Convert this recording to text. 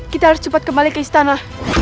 kita harus cepat kembali ke istana